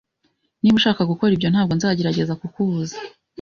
Niba ushaka gukora ibyo, ntabwo nzagerageza kukubuza.